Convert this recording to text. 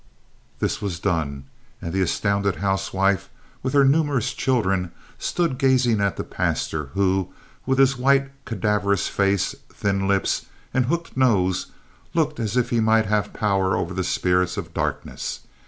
This was done, and the astounded housewife, with her numerous children, stood gazing at the pastor, who, with his white, cadaverous face, thin lips and hooked nose, looked as if he might have power over the spirits of darkness.